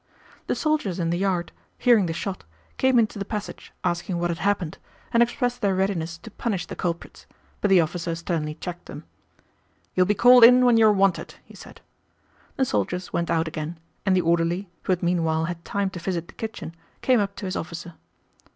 The soldiers in the yard, hearing the shot, came into the passage asking what had happened, and expressed their readiness to punish the culprits, but the officer sternly checked them. "You will be called in when you are wanted," he said. The soldiers went out again, and the orderly, who had meanwhile had time to visit the kitchen, came up to his officer.